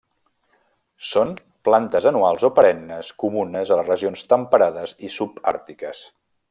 Són plantes anuals o perennes comunes a les regions temperades i subàrtiques.